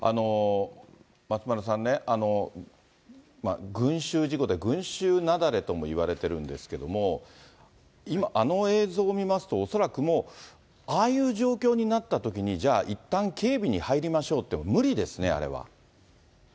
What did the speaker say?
松丸さんね、群集事故で、群集雪崩ともいわれてるんですけど、今、あの映像見ますと、恐らくもうああいう状況になったときに、じゃあいったん警備に入りましょうって、無理ですね、あれは。